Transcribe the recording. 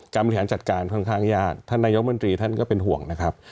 บริหารจัดการค่อนข้างยากท่านนายกมนตรีท่านก็เป็นห่วงนะครับ